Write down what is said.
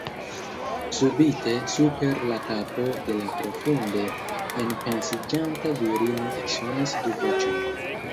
Subite super la kapo de la profunde enpensiĝanta virino eksonis du voĉoj.